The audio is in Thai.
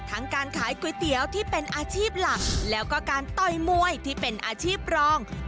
การขายก๋วยเตี๋ยวที่เป็นอาชีพหลักแล้วก็การต่อยมวยที่เป็นอาชีพรอง